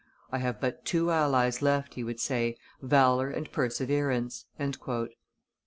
"I have but two allies left," he would say, "valor and perseverance."